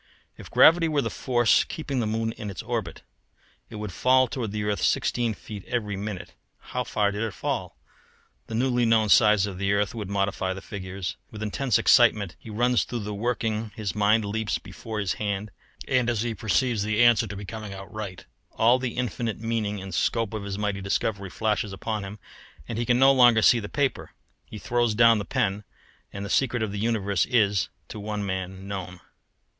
If gravity were the force keeping the moon in its orbit, it would fall toward the earth sixteen feet every minute. How far did it fall? The newly known size of the earth would modify the figures: with intense excitement he runs through the working, his mind leaps before his hand, and as he perceives the answer to be coming out right, all the infinite meaning and scope of his mighty discovery flashes upon him, and he can no longer see the paper. He throws down the pen; and the secret of the universe is, to one man, known.